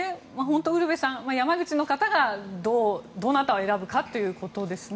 ウルヴェさん、山口の方がどなたを選ぶかということですね。